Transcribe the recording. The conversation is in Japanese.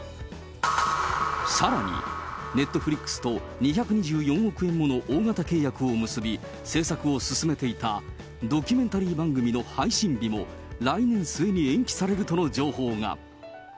さらに、ネットフリックスと２２４億円もの大型契約を結び、制作を進めていたドキュメンタリー番組の配信日も、来年末に延期されるとの情報が。